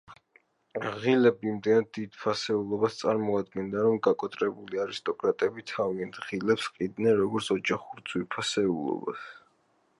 ღილები იმდენად დიდ ფასეულობას წარმოადგენდა, რომ გაკოტრებული არისტოკრატები თავიანთ ღილებს ჰყიდნენ, როგორც ოჯახურ ძვირფასეულობას.